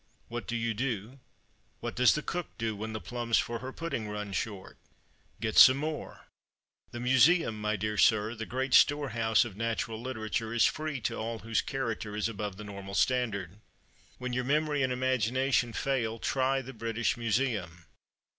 "What do you do what does the cook do, when the plums for her pudding run short? Get some more; the Museum, my dear sir, the great storehouse of national literature, is free to all whose character is above the normal standard. When your memory and imagination fail, try the British Museum.